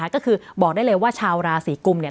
ก็คือบอกได้เลยว่าชาวราศีกุมเนี่ย